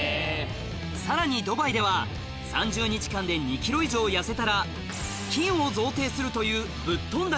さらにドバイでは３０日間で２ｋｇ以上痩せたら金を贈呈するというぶっ飛んだ